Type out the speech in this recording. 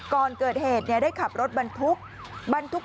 ก่อนเกิดเหตุได้ขับรถบรรทุก